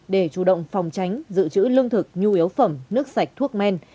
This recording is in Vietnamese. để chủ động phòng tránh giữ chữ lương thực nhu yếu phẩm nước sạch thuốc men